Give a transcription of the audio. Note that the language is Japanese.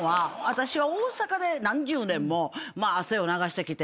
私は大阪で何十年も汗を流してきて。